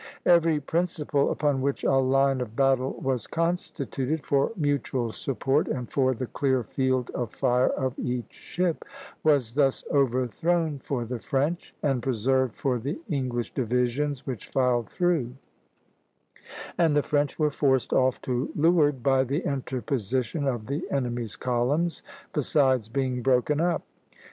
Every principle upon which a line of battle was constituted, for mutual support and for the clear field of fire of each ship, was thus overthrown for the French, and preserved for the English divisions which filed through; and the French were forced off to leeward by the interposition of the enemy's columns, besides being broken up.